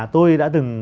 tôi đã từng